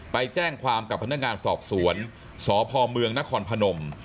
ไปแจ้งความกับพนักงานสอบสวนสพเมืองนครพนม